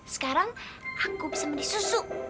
sekarang aku bisa mandi susu